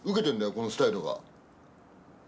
このスタイルが。